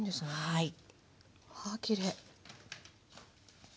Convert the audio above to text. はい。